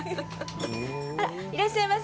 あらいらっしゃいませ。